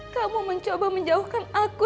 kamu mencoba menjauhkan aku